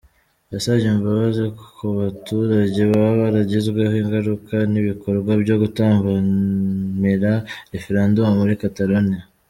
Yasabye imbabazi ku baturage baba baragizweho ingaruka n’ibikorwa byo gutambamira referendum muri Catalonia.